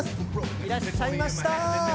いらっしゃいました。